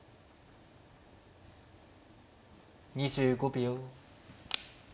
２５秒。